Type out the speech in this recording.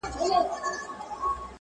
وس پردی وو د خانانو ملکانو!